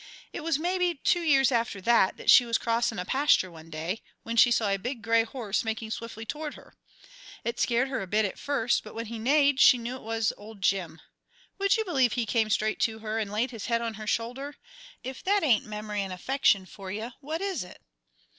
"It was, maybe, two years after that, that she was crossing a pasture one day, when she saw a big gray horse making swiftly towards her. It scared her a bit at first, but when he neighed she knew it was old Jim. Would you believe he came straight to her, and laid his head on her shoulder? If that ain't memory and affection for ye, what is it?"